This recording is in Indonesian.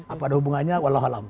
apakah ada hubungannya wallahualam